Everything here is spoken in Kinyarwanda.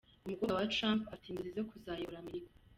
Umukobwa wa Trump afite inzozi zo kuzayobora Amerika.